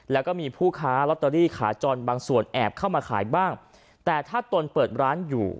แล้วก็มีผู้ค้าลอตเตอรี่ขาจรบางส่วนแอบเข้ามาขายบ้างแต่ถ้าตนเปิดร้านอยู่